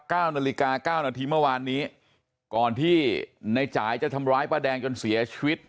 เก้านาฬิกาเก้านาทีเมื่อวานนี้ก่อนที่ในจ่ายจะทำร้ายป้าแดงจนเสียชีวิต